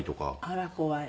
あら怖い。